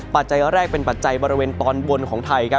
ปัจจัยแรกเป็นปัจจัยบริเวณตอนบนของไทยครับ